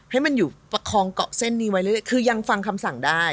ให้มันอยู่ประคองเกาะเส้นนี้ไว้เรื่อยคือยังฟังคำสั่งได้